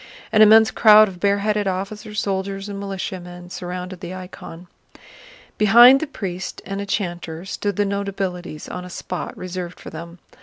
An immense crowd of bareheaded officers, soldiers, and militiamen surrounded the icon. Behind the priest and a chanter stood the notabilities on a spot reserved for them.